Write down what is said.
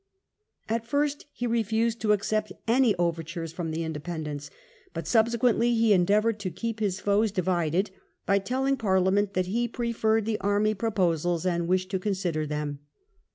At first he refused to accept any overtures from the Independents, but subsequently he endeavoured to keep A split in the his foes divided by telling Parliament that he army. preferred the army proposals, and wished to consider them.